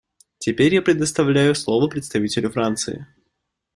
Теперь я предоставляю слово представителю Франции.